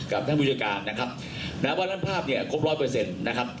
กับท่านบุญชาการนะครับแต่ว่านั้นภาพครบร้อยเปอร์เซ็นต์นะครับ